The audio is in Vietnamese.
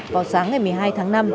vào sáng ngày một mươi hai tháng năm